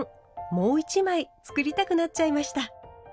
もう１枚作りたくなっちゃいました。